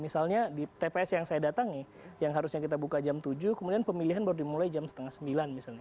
misalnya di tps yang saya datangi yang harusnya kita buka jam tujuh kemudian pemilihan baru dimulai jam setengah sembilan misalnya